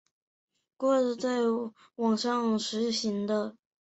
这种选择性是藉由金属网格整合在拖网结构上实现的。